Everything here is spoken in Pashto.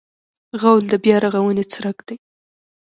غول د بیا رغونې څرک دی.